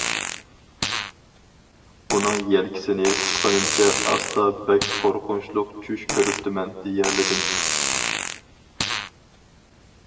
ئۇنىڭ يەلكىسىنى تۇتقىنىمچە ئاستا:-بەك قورقۇنچلۇق چۈش كۆرۈپتىمەن-دېيەلىدىم.